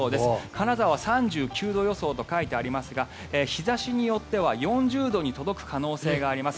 金沢は３９度予想と書いてありますが日差しによっては４０度に届く可能性があります。